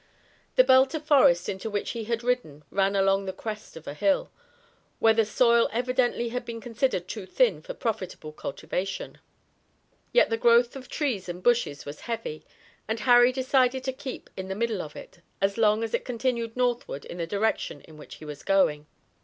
The belt of forest into which he had ridden, ran along the crest of a hill, where the soil evidently had been considered too thin for profitable cultivation. Yet the growth of trees and bushes was heavy, and Harry decided to keep in the middle of it, as long as it continued northward in the direction in which he was going.